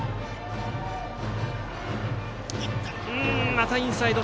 またインサイド。